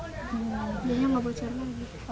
jadi nggak bocor lagi